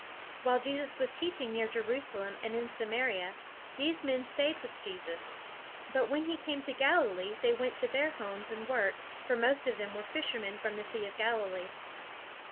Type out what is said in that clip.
While Jesus was teaching near Jerusalem and in Samaria, these men stayed with Jesus; but when he came to Galilee, they went to their homes and work, for most of them were fishermen from the Sea of Galilee.